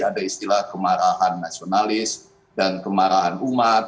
ada istilah kemarahan nasionalis dan kemarahan umat